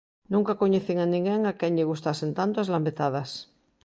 Nunca coñecín a ninguén a quen lle gustasen tanto as lambetadas.